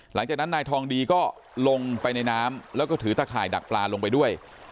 หลังจากนั้นนายทองดีก็ลงไปในน้ำแล้วก็ถือตะข่ายดักปลาลงไปด้วย